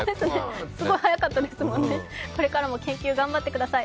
すごい速かったですもんね、これからも研究頑張ってください。